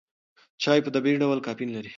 چای په طبیعي ډول کافین لري.